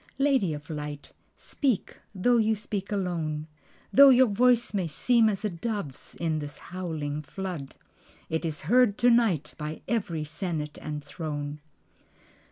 Lady of Light, speak, though you speak alone, Though your voice may seem as a dove's in this howling flood, It is heard to night by every senate and throne.